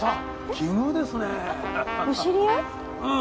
奇遇ですねぇ。